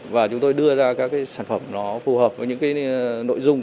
và chúng tôi đưa ra các sản phẩm phù hợp với những nội dung